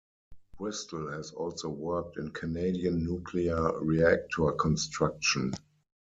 Bristol has also worked in Canadian nuclear reactor construction.